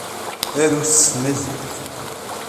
Arut s Tmaziɣt.